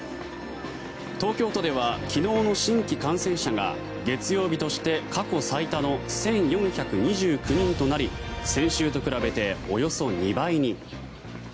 東京都では昨日の新規感染者が月曜日として過去最多の１４２９人となり先週と比べておよそ２倍に。